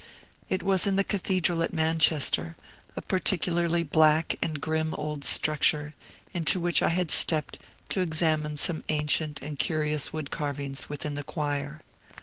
It was in the Cathedral at Manchester, a particularly black and grim old structure, into which I had stepped to examine some ancient and curious wood carvings within the choir.